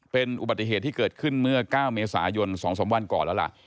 เป็นอุบัติเหตุที่เกิดขึ้นเมื่อ๙เมษายน๒๓วันก่อนแล้วล่ะ